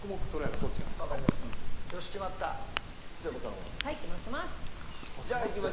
はい決まってます。